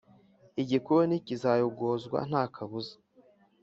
Igikoni kizayogozwa nta kabuza